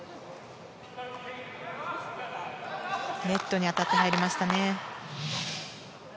ネットに当たって入りましたね。